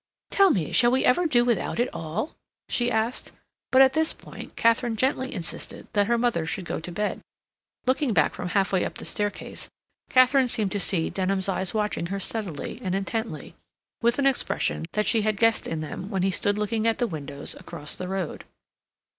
"Tell me, shall we ever do without it all?" she asked, but at this point Katharine gently insisted that her mother should go to bed. Looking back from half way up the staircase, Katharine seemed to see Denham's eyes watching her steadily and intently with an expression that she had guessed in them when he stood looking at the windows across the road.